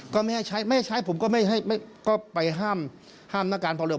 ก็ไม่ให้ใช้ไม่ใช้ผมก็ไปห้ามนักการพาลง